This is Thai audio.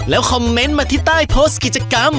แล้วคอมเมนต์มาที่ใต้โพสต์กิจกรรม